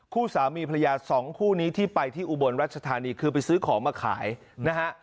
คู่สามีภรรยาสองคู่นี้ที่ไปที่อุบลรัชธานีคือไปซื้อของมาขายนะฮะ